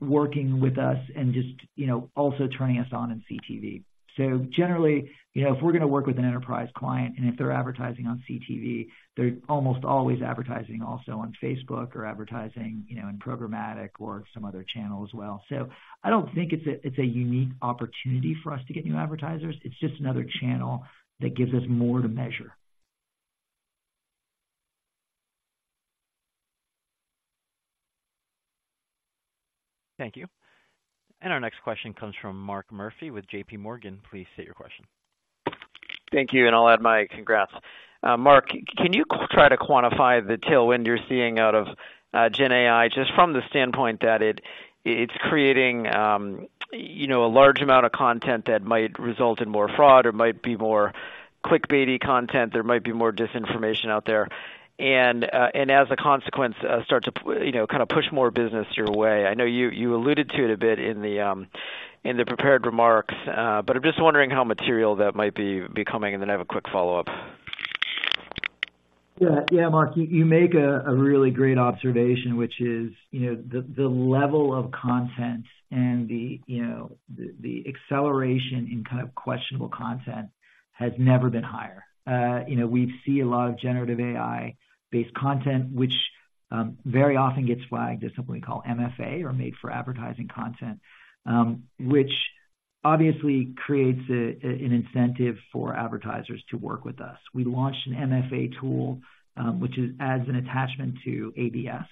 working with us and just, you know, also turning us on in CTV. So generally, you know, if we're gonna work with an enterprise client, and if they're advertising on CTV, they're almost always advertising also on Facebook or advertising, you know, in programmatic or some other channel as well. So I don't think it's a, it's a unique opportunity for us to get new advertisers. It's just another channel that gives us more to measure. Thank you. And our next question comes from Mark Murphy with J.P. Morgan. Please state your question. Thank you, and I'll add my congrats. Mark, can you try to quantify the tailwind you're seeing out of GenAI, just from the standpoint that it's creating, you know, a large amount of content that might result in more fraud or might be more clickbaity content, there might be more disinformation out there, and as a consequence, start to, you know, kind of push more business your way. I know you alluded to it a bit in the prepared remarks, but I'm just wondering how material that might be becoming, and then I have a quick follow-up. Yeah. Yeah, Mark, you make a really great observation, which is, you know, the level of content and the, you know, the acceleration in kind of questionable content has never been higher. You know, we see a lot of generative AI-based content, which very often gets flagged as something we call MFA or Made for Advertising content, which obviously creates an incentive for advertisers to work with us. We launched an MFA tool, which is as an attachment to ABS,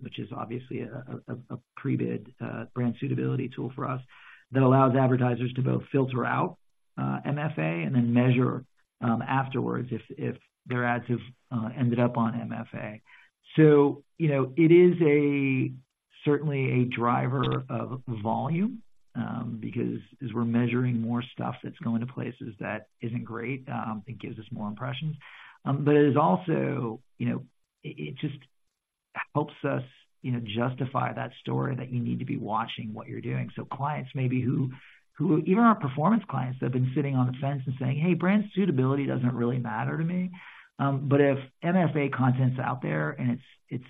which is obviously a pre-bid brand suitability tool for us, that allows advertisers to both filter out MFA and then measure afterwards if their ads have ended up on MFA. So, you know, it is a... Certainly a driver of volume, because as we're measuring more stuff that's going to places that isn't great, it gives us more impressions. But it is also, you know, it just helps us, you know, justify that story that you need to be watching what you're doing. So clients maybe who... Even our performance clients have been sitting on the fence and saying, "Hey, brand suitability doesn't really matter to me. But if MFA content's out there and it's,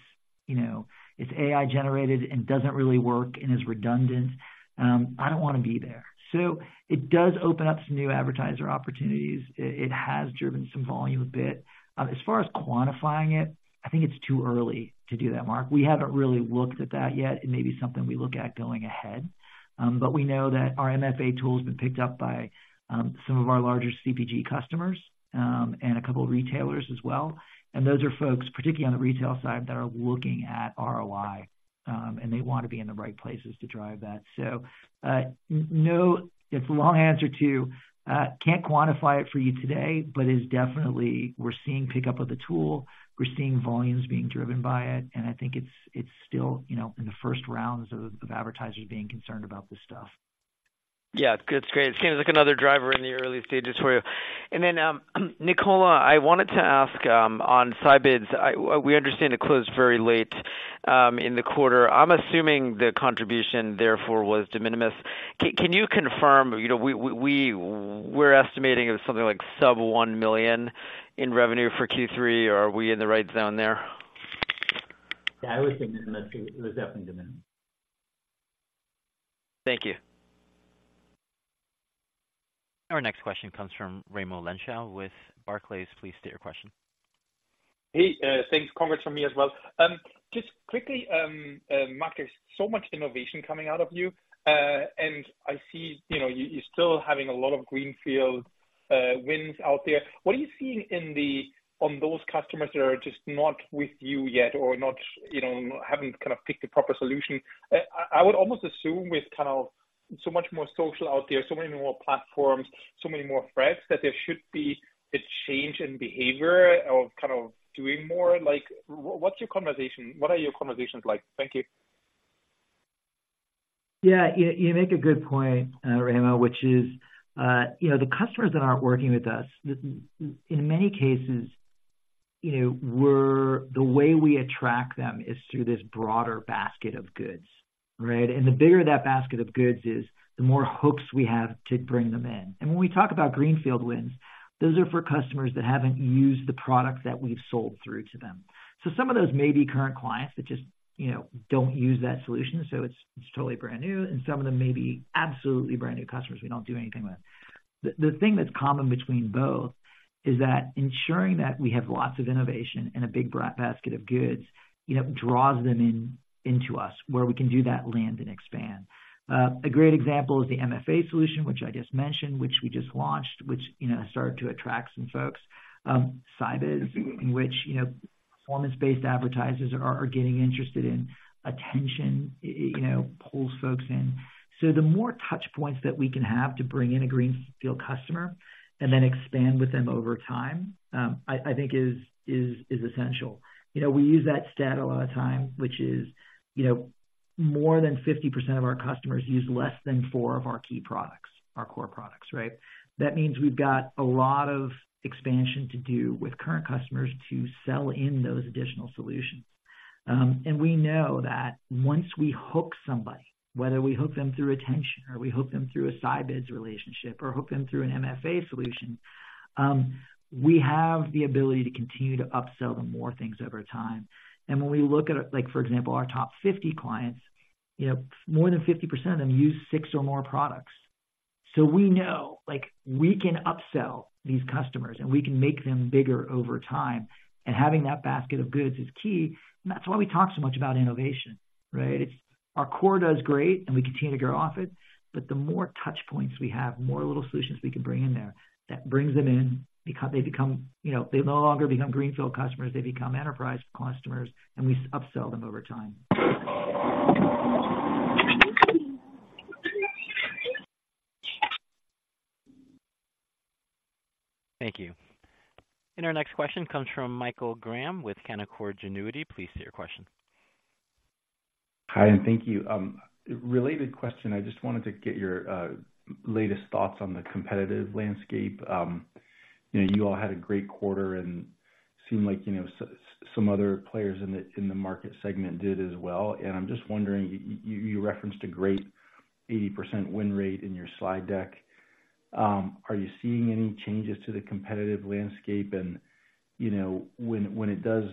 you know, it's AI-generated and doesn't really work and is redundant, I don't want to be there." So it does open up some new advertiser opportunities. It has driven some volume a bit. As far as quantifying it, I think it's too early to do that, Mark. We haven't really looked at that yet. It may be something we look at going ahead. But we know that our MFA tool has been picked up by some of our larger CPG customers and a couple of retailers as well. And those are folks, particularly on the retail side, that are looking at ROI and they want to be in the right places to drive that. So, no, it's a long answer to can't quantify it for you today, but is definitely we're seeing pickup of the tool, we're seeing volumes being driven by it, and I think it's still you know in the first rounds of advertisers being concerned about this stuff. Yeah, good. It's great. It seems like another driver in the early stages for you. And then, Nicola, I wanted to ask on Scibids. We understand it closed very late in the quarter. I'm assuming the contribution, therefore, was de minimis. Can you confirm, you know, we're estimating it was something like sub-$1 million in revenue for Q3, or are we in the right zone there? Yeah, I would think de minimis. It was definitely de minimis. Thank you. Our next question comes from Raimo Lenschow with Barclays. Please state your question. Hey, thanks. Congrats from me as well. Just quickly, Mark, there's so much innovation coming out of you. And I see, you know, you, you're still having a lot of Greenfield wins out there. What are you seeing in the—on those customers that are just not with you yet or not, you know, haven't kind of picked the proper solution? I would almost assume with kind of so much more social out there, so many more platforms, so many more threads, that there should be a change in behavior of kind of doing more. Like, what's your conversation? What are your conversations like? Thank you. Yeah, you make a good point, Raimo, which is, you know, the customers that aren't working with us. In many cases, you know, we're—the way we attract them is through this broader basket of goods, right? And the bigger that basket of goods is, the more hooks we have to bring them in. And when we talk about Greenfield wins, those are for customers that haven't used the products that we've sold through to them. So some of those may be current clients that just, you know, don't use that solution, so it's totally brand new, and some of them may be absolutely brand new customers we don't do anything with. The thing that's common between both is that ensuring that we have lots of innovation and a big basket of goods, you know, draws them in, into us, where we can do that land and expand. A great example is the MFA solution, which I just mentioned, which we just launched, which, you know, started to attract some folks. Scibids, in which, you know, performance-based advertisers are getting interested in attention, you know, pulls folks in. So the more touch points that we can have to bring in a greenfield customer and then expand with them over time, I think is essential. You know, we use that stat a lot of time, which is, you know, more than 50% of our customers use less than four of our key products, our core products, right? That means we've got a lot of expansion to do with current customers to sell in those additional solutions. And we know that once we hook somebody, whether we hook them through attention or we hook them through a Scibids relationship or hook them through an MFA solution, we have the ability to continue to upsell them more things over time. And when we look at, like, for example, our top 50 clients, you know, more than 50% of them use six or more products. So we know, like, we can upsell these customers and we can make them bigger over time, and having that basket of goods is key. And that's why we talk so much about innovation, right? It's... Our core does great, and we continue to grow off it, but the more touch points we have, more little solutions we can bring in there, that brings them in, they become, you know, they no longer become Greenfield customers, they become enterprise customers, and we upsell them over time. Thank you. And our next question comes from Michael Graham with Canaccord Genuity. Please state your question. Hi, and thank you. Related question, I just wanted to get your latest thoughts on the competitive landscape. You know, you all had a great quarter and seemed like, you know, some other players in the market segment did as well. And I'm just wondering, you referenced a great 80% win rate in your slide deck. Are you seeing any changes to the competitive landscape? And, you know, when it does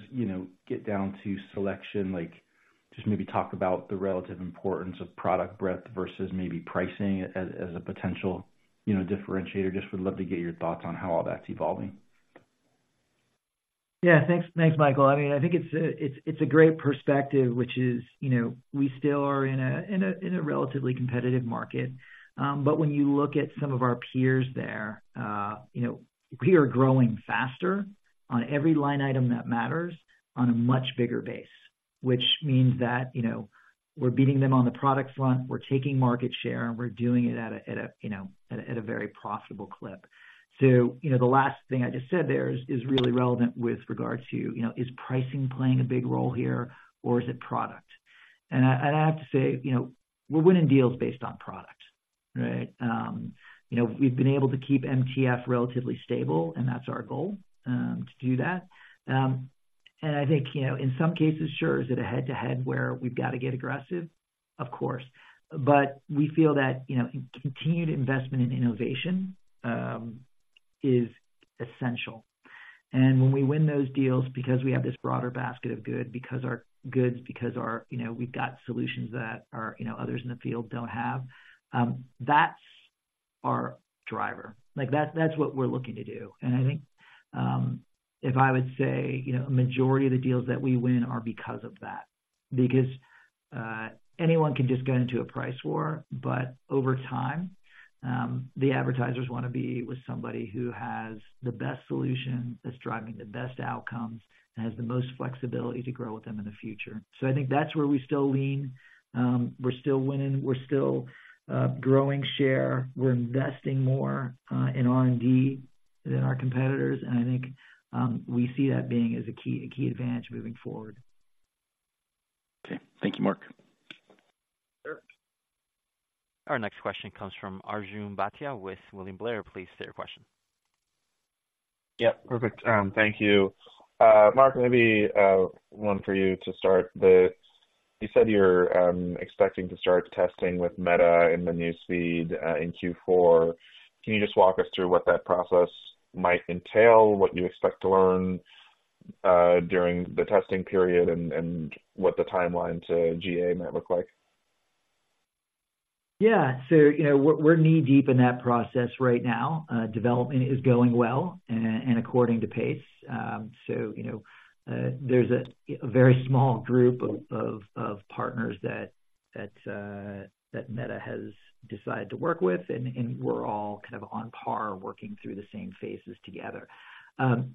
get down to selection, like, just maybe talk about the relative importance of product breadth versus maybe pricing as a potential differentiator. Just would love to get your thoughts on how all that's evolving. Yeah, thanks. Thanks, Michael. I mean, I think it's a great perspective, which is, you know, we still are in a relatively competitive market. But when you look at some of our peers there, you know, we are growing faster on every line item that matters on a much bigger base, which means that, you know, we're beating them on the product front, we're taking market share, and we're doing it at a very profitable clip. So, you know, the last thing I just said there is really relevant with regard to, you know, is pricing playing a big role here or is it product? And I have to say, you know, we're winning deals based on product, right? You know, we've been able to keep MTF relatively stable, and that's our goal, to do that. And I think, you know, in some cases, sure, is it a head-to-head where we've got to get aggressive? Of course. But we feel that, you know, continued investment in innovation is essential. And when we win those deals because we have this broader basket of goods. You know, we've got solutions that are, you know, others in the field don't have, that's our driver. Like, that's, that's what we're looking to do. And I think, if I would say, you know, a majority of the deals that we win are because of that. Because, anyone can just go into a price war, but over time, the advertisers want to be with somebody who has the best solution, that's driving the best outcomes, and has the most flexibility to grow with them in the future. So I think that's where we still lean. We're still winning, we're still growing share, we're investing more in R&D than our competitors, and I think we see that being as a key, a key advantage moving forward. Okay. Thank you, Mark. Sure. Our next question comes from Arjun Bhatia with William Blair. Please state your question. Yeah, perfect. Thank you. Mark, maybe one for you to start the... You said you're expecting to start testing with Meta in the newsfeed in Q4. Can you just walk us through what that process might entail, what you expect to learn during the testing period and what the timeline to GA might look like? Yeah. So, you know, we're knee-deep in that process right now. Development is going well and according to pace. So, you know, there's a very small group of partners that Meta has decided to work with, and we're all kind of on par, working through the same phases together.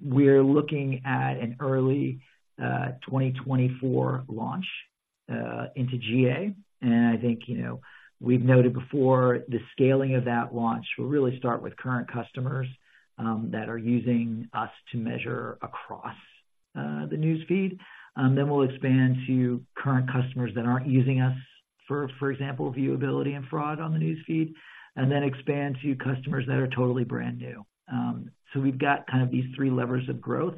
We're looking at an early 2024 launch into GA. And I think, you know, we've noted before, the scaling of that launch will really start with current customers that are using us to measure across the News Feed. Then we'll expand to current customers that aren't using us, for example, viewability and fraud on the News Feed, and then expand to customers that are totally brand new. We've got kind of these three levers of growth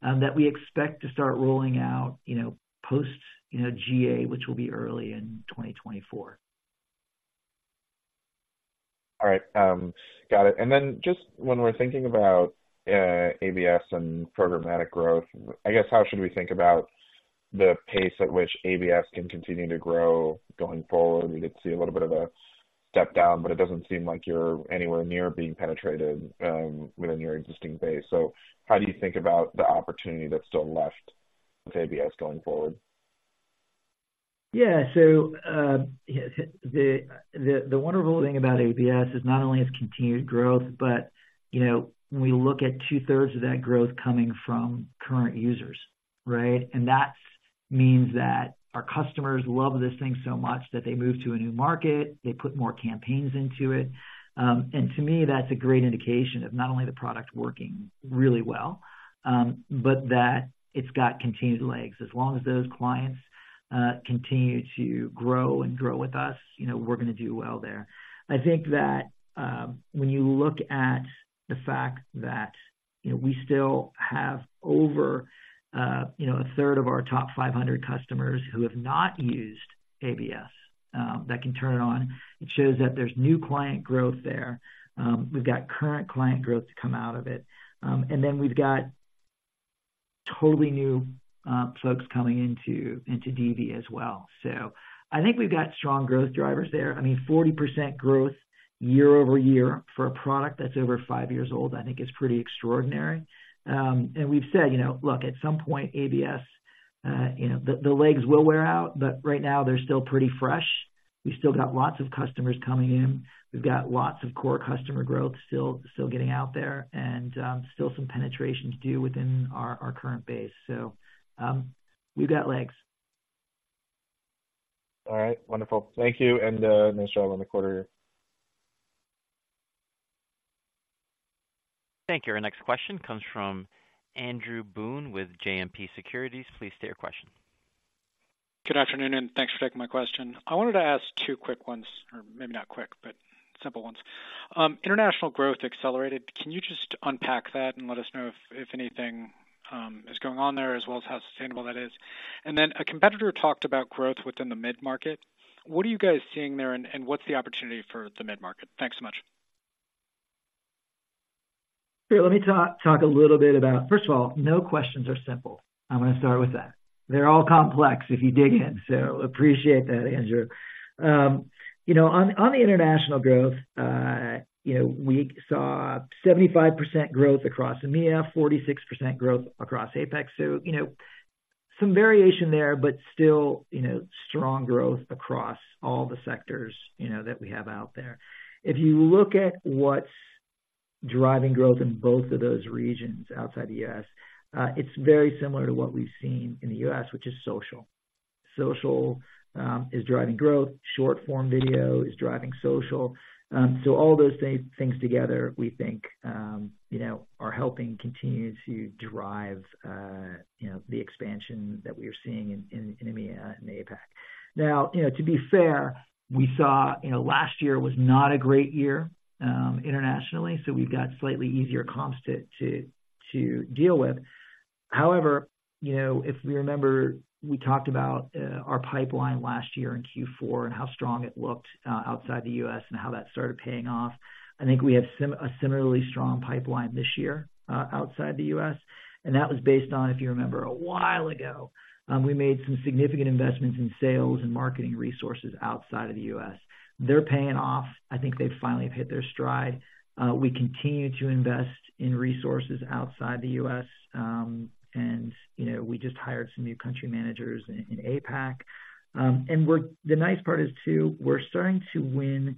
that we expect to start rolling out, you know, post, you know, GA, which will be early in 2024. All right, got it. And then just when we're thinking about ABS and programmatic growth, I guess, how should we think about the pace at which ABS can continue to grow going forward? We did see a little bit of a step down, but it doesn't seem like you're anywhere near being penetrated within your existing base. So how do you think about the opportunity that's still left with ABS going forward? Yeah. So, the wonderful thing about ABS is not only its continued growth, but, you know, when we look at two-thirds of that growth coming from current users, right? And that means that our customers love this thing so much that they move to a new market, they put more campaigns into it. And to me, that's a great indication of not only the product working really well, but that it's got continued legs. As long as those clients continue to grow and grow with us, you know, we're going to do well there. I think that, when you look at the fact that, you know, we still have over a third of our top 500 customers who have not used ABS, that can turn it on, it shows that there's new client growth there. We've got current client growth to come out of it. And then we've got totally new folks coming into DV as well. So I think we've got strong growth drivers there. I mean, 40% growth year-over-year for a product that's over five years old, I think is pretty extraordinary. And we've said, you know, look, at some point, ABS, you know, the legs will wear out, but right now they're still pretty fresh. We've still got lots of customers coming in. We've got lots of core customer growth still getting out there and still some penetration to do within our current base. So we've got legs. All right. Wonderful. Thank you. And, next on the quarter. Thank you. Our next question comes from Andrew Boone with JMP Securities. Please state your question. Good afternoon, and thanks for taking my question. I wanted to ask two quick ones, or maybe not quick, but simple ones. International growth accelerated. Can you just unpack that and let us know if, if anything, is going on there, as well as how sustainable that is? And then a competitor talked about growth within the mid-market. What are you guys seeing there, and, and what's the opportunity for the mid-market? Thanks so much. Sure. Let me talk a little bit about... First of all, no questions are simple. I'm going to start with that. They're all complex if you dig in, so appreciate that, Andrew. You know, on the international growth, you know, we saw 75% growth across EMEA, 46% growth across APAC. So, you know, some variation there, but still, you know, strong growth across all the sectors, you know, that we have out there. If you look at what's driving growth in both of those regions outside the U.S., it's very similar to what we've seen in the U.S., which is social. Social is driving growth. Short-form video is driving social. So all those same things together, we think, you know, are helping continue to drive, you know, the expansion that we are seeing in EMEA and APAC. Now, you know, to be fair, we saw, you know, last year was not a great year internationally, so we've got slightly easier comps to deal with. However, you know, if we remember, we talked about our pipeline last year in Q4 and how strong it looked outside the U.S. and how that started paying off. I think we have a similarly strong pipeline this year outside the U.S., and that was based on, if you remember, a while ago, we made some significant investments in sales and marketing resources outside of the U.S. They're paying off. I think they've finally hit their stride. We continue to invest in resources outside the U.S., and you know, we just hired some new country managers in APAC. And we're the nice part is, too, we're starting to win,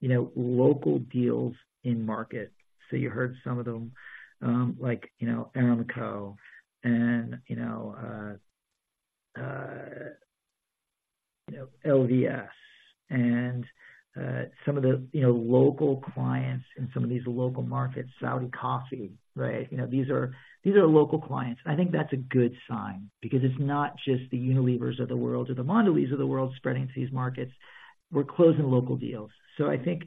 you know, local deals in market. So you heard some of them, like, you know, Aramco and, you know, LVS and some of the, you know, local clients in some of these local markets, Saudi Coffee, right? You know, these are, these are local clients, and I think that's a good sign because it's not just the Unilevers of the world or the Mondelēzes of the world spreading to these markets. We're closing local deals. So I think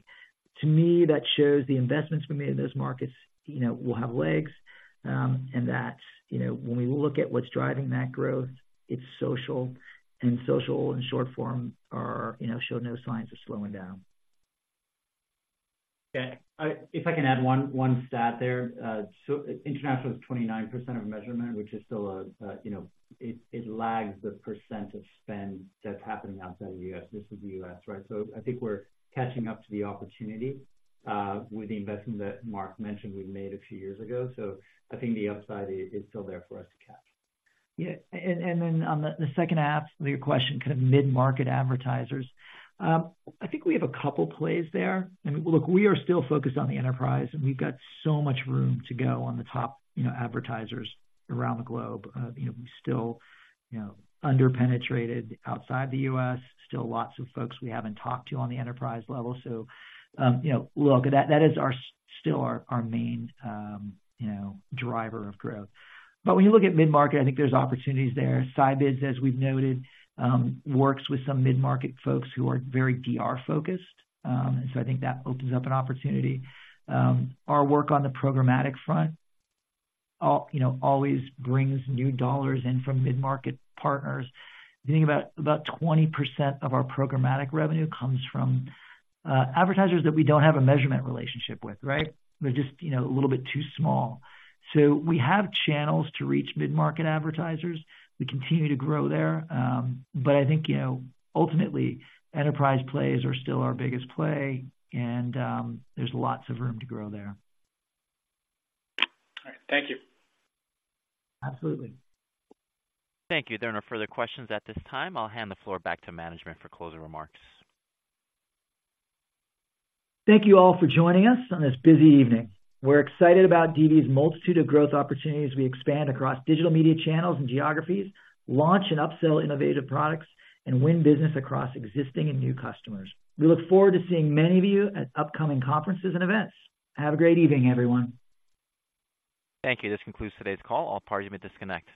to me, that shows the investments we made in those markets, you know, will have legs, and that, you know, when we look at what's driving that growth, it's social, and social and short form are, you know, show no signs of slowing down. Yeah, if I can add one stat there. So international is 29% of measurement, which is still a, you know, it lags the percent of spend that's happening outside of the U.S. versus the U.S., right? So I think we're catching up to the opportunity with the investment that Mark mentioned we made a few years ago. So I think the upside is still there for us to catch. Yeah. And then on the second half of your question, kind of mid-market advertisers. I think we have a couple plays there. I mean, look, we are still focused on the enterprise, and we've got so much room to go on the top, you know, advertisers around the globe. You know, we still, you know, under-penetrated outside the U.S., still lots of folks we haven't talked to on the enterprise level. So, you know, look, that is our, still our main, you know, driver of growth. But when you look at mid-market, I think there's opportunities there. Scibids, as we've noted, works with some mid-market folks who are very DR focused. And so I think that opens up an opportunity. Our work on the programmatic front, you know, always brings new dollars in from mid-market partners. I think about 20% of our programmatic revenue comes from advertisers that we don't have a measurement relationship with, right? They're just, you know, a little bit too small. So we have channels to reach mid-market advertisers. We continue to grow there. But I think, you know, ultimately, enterprise plays are still our biggest play, and there's lots of room to grow there. All right. Thank you. Absolutely. Thank you. There are no further questions at this time. I'll hand the floor back to management for closing remarks. Thank you all for joining us on this busy evening. We're excited about DV's multitude of growth opportunities as we expand across digital media channels and geographies, launch and upsell innovative products, and win business across existing and new customers. We look forward to seeing many of you at upcoming conferences and events. Have a great evening, everyone. Thank you. This concludes today's call. All parties may disconnect.